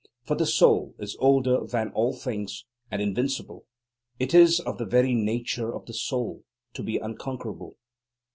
For the Soul is older than all things, and invincible; it is of the very nature of the Soul to be unconquerable.